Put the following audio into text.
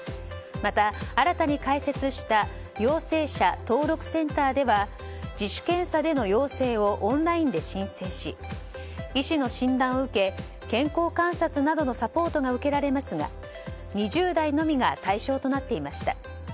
また、新たに開設した陽性者登録センターでは自主検査での陽性をオンラインで申請し医師の診断を受け健康観察などのサポートが受けられますが２０代のみが対象となっていました。